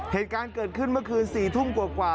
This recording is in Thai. เหตุการณ์เกิดขึ้นเมื่อคืน๔ทุ่มกว่า